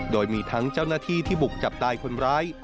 โดยมีทั้งเจ้าหน้าที่ที่บุกจับตายคนร้าย